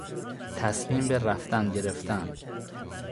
تصمیم به رفتن گرفتن